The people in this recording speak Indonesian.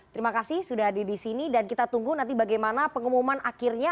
terima kasih sudah hadir di sini dan kita tunggu nanti bagaimana pengumuman akhirnya